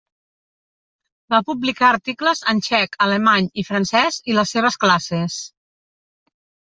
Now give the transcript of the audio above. Va publicar articles en txec, alemany i francès i les seves classes.